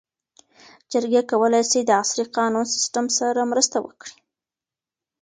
جرګې کولی سي د عصري قانوني سیسټم سره مرسته وکړي.